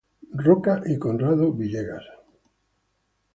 Roca y Conrado Villegas.